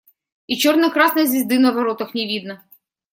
И черно-красной звезды на воротах не видно.